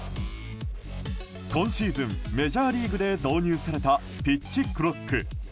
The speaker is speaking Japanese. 今シーズン、メジャーリーグで導入されたピッチクロック。